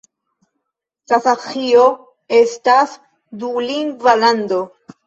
Kazaĥio estas dulingva lando.